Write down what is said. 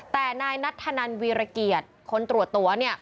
แต่นายนัทธนันวีรเกียรติคนตรวจตัวเนี่ย